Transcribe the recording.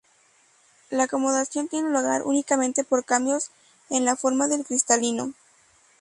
La acomodación tiene lugar únicamente por cambios en la forma del cristalino.